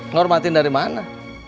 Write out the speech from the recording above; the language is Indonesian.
nghormatin dari mana